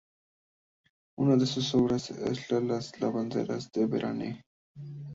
Una de sus obras más conocidas es "Lavanderas de La Varenne".